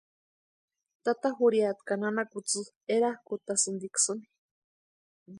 Tata jurhiata ka nana kutsï erakʼutasïntiksïni.